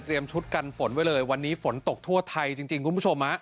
ชุดกันฝนไว้เลยวันนี้ฝนตกทั่วไทยจริงคุณผู้ชม